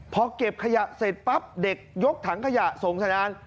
พอเก็บขยะเสร็จปั๊บเด็กยกถังขยะส่งสัญญาณ